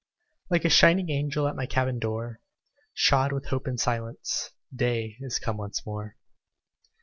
Like a shining angel At my cabin door, Shod with hope and silence, Day is come once more.